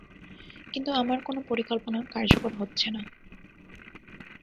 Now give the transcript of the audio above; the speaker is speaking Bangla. কিন্তু আমার কোন পরিকল্পনা কার্যকর হচ্ছে না।